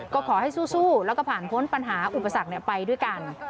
ก็ขอให้สู้แล้วก็ผ่านพ้นปัญหาอุปสรรคไปด้วยกัน